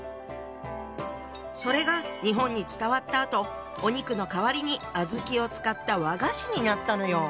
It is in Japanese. それが日本に伝わったあとお肉の代わりに小豆を使った和菓子になったのよ！